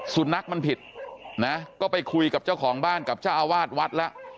สุนัขมันผิดนะก็ไปคุยกับเจ้าของบ้านกับเจ้าอาวาสวัดแล้ว